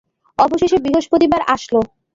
অবশেষে বৃহস্পতিবার আসল।